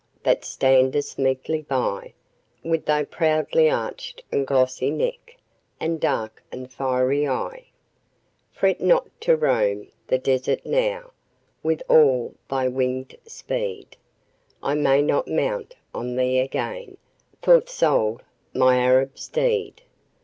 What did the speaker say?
that standest meekly by, With thy proudly arched and glossy neck, and dark and fiery eye; Fret not to roam the desert now, with all thy wingèd speed, I may not mount on thee again thou'rt sold, my Arab steed.